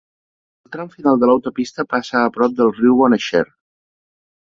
El tram final de l'autopista passa a prop del riu Bonnechere.